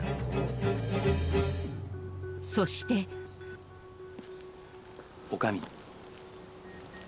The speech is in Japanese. ［そして］女将。